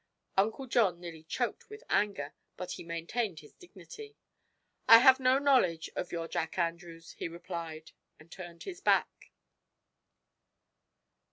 Uncle John nearly choked with anger, but he maintained his dignity. "I have no knowledge of your Jack Andrews," he replied, and turned his back.